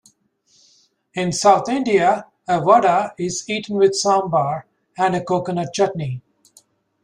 In South India, a vada is eaten with "sambar" and a coconut chutney.